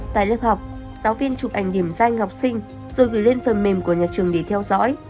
tại lớp học giáo viên chụp ảnh điểm danh học sinh rồi gửi lên phần mềm của nhà trường để theo dõi